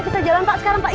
tidak ada apa apa